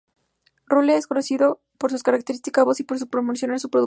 Rule es conocido por su característica voz y por promocionar su productora The Inc.